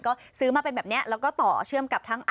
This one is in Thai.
ก็ซื้อมาเป็นแบบนี้แล้วก็ต่อเชื่อมกับทั้ง